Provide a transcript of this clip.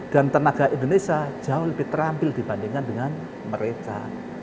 dan tenaga indonesia jauh lebih terampil dibandingkan dengan mereka